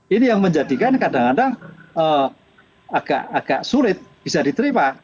ini yang menjadikan kadang kadang agak sulit bisa diterima